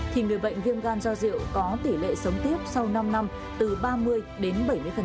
thì người bệnh viêm gan do rượu có tỷ lệ sống tiếp sau năm năm từ ba mươi đến bảy mươi